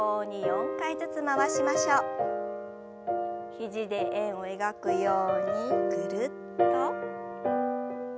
肘で円を描くようにぐるっと。